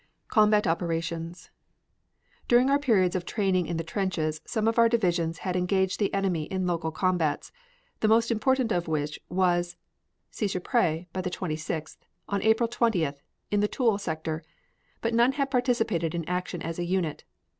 COMBAT OPERATIONS During our periods of training in the trenches some of our divisions had engaged the enemy in local combats, the most important of which was Seicheprey by the Twenty sixth on April 20th, in the Toul sector, but none had participated in action as a unit.